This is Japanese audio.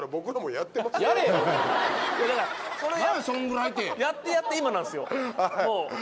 やってやって今なんですよもう。